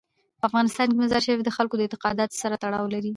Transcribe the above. په افغانستان کې مزارشریف د خلکو د اعتقاداتو سره تړاو لري.